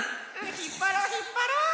ひっぱろうひっぱろう！